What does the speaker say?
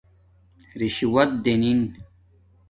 رشوت دنن